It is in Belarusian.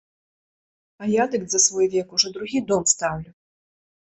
А я дык за свой век ужо другі дом стаўлю.